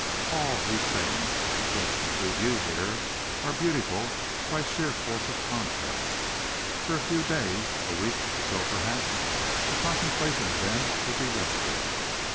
All these things, which rest and soothe you here, are beautiful by sheer force of contrast. For a few days a week or so, perhaps the contemplation of them would be restful.